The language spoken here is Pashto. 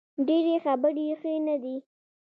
ډیرې خبرې ښې نه دي